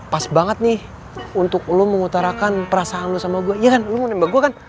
pas banget nih untuk lo mengutarakan perasaan lu sama gue iya kan lu mau menembak gue kan